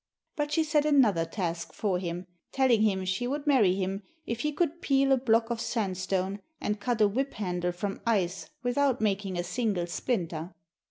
But she set another task for him, telling him she would marry him if he could peel a block of sandstone and cut a whip handle from ice without making a single splinter.